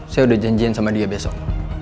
saya udah janjian sama dia besok